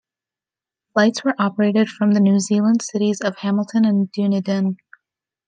Flights were operated from the New Zealand cities of Hamilton and Dunedin.